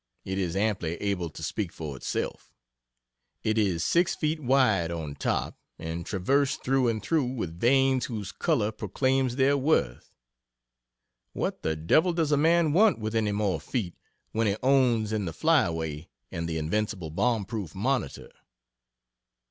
It is amply able to speak for itself. It is six feet wide on top, and traversed through and through with veins whose color proclaims their worth. What the devil does a man want with any more feet when he owns in the Flyaway and the invincible bomb proof Monitor?